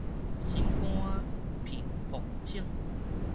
心肝咇噗惝